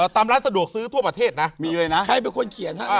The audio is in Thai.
ตามร้านสะดวกซื้อทั่วประเทศนะมีเลยนะใครเป็นคนเขียนฮะ